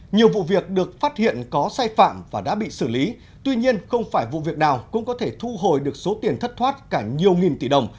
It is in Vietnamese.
nhiều vụ việc được phát hiện có sai phạm và đã bị xử lý tuy nhiên không phải vụ việc nào cũng có thể thu hồi được số tiền thất thoát cả nhiều nghìn tỷ đồng